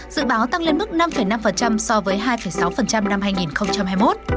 dự báo tăng lên mức năm năm so với hai sáu năm hai nghìn hai mươi một